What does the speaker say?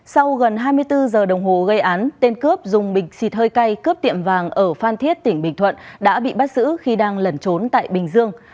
sau gần hai mươi bốn giờ đồng hồ gây án tên cướp dùng bình xịt hơi cay cướp tiệm vàng ở phan thiết tỉnh bình thuận đã bị bắt giữ khi đang lẩn trốn tại bình dương